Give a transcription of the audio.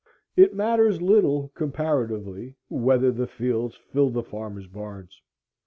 It matters little comparatively whether the fields fill the farmer's barns.